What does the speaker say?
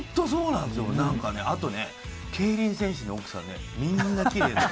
なんかね、あとね、競輪選手の奥さんね、みんなきれいで。